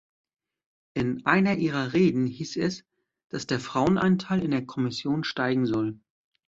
In einer Ihrer Reden hieß es, dass der Frauenanteil in der Kommission steigen soll.